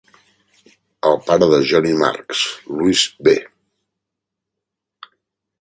El pare de Johnny Marks, Louis B.